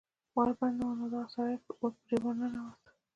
ور بند نه و نو دغه سړی پې ور ننوت